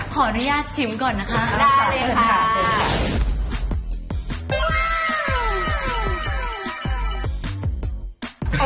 ขออนุญาตชิมก่อนนะคะ